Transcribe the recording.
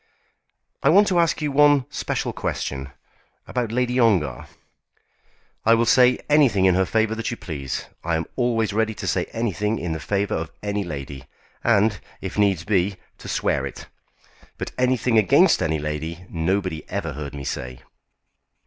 "I want to ask you one special question, about Lady Ongar." "I will say anything in her favour that you please. I am always ready to say anything in the favour of any lady, and, if needs be, to swear it. But anything against any lady nobody ever heard me say."